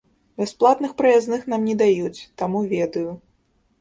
Бясплатных праязных нам не даюць, таму ведаю.